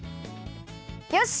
よし！